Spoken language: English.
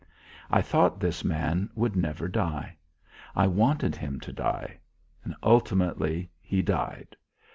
I thought this man would never die. I wanted him to die. Ultimately he died.